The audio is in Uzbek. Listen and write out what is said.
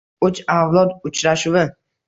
Uch avlod uchrashuvi